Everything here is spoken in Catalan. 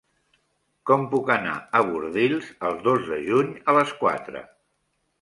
Com puc anar a Bordils el dos de juny a les quatre?